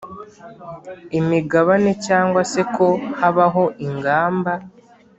imigabane cyangwa se ko habaho ingamba